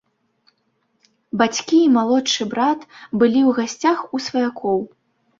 Бацькі і малодшы брат былі ў гасцях у сваякоў.